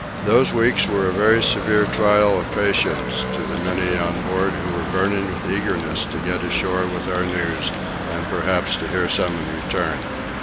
Those weeks were a very severe trial of patience to the many on board who were burning with eagerness to get ashore with our news, and perhaps to hear some in return.